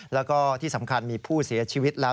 แล้วก็ที่สำคัญมีผู้เสียชีวิตแล้ว